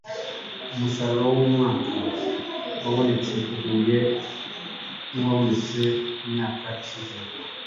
umusaruro w’umwaka wabonetse uhuye n’uwabonetse imyaka ishize